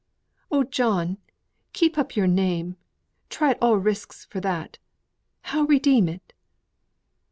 Oh, John! keep up your name try all risks for that. How redeem it?"